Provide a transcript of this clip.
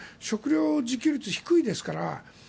食料自給率が低いですから。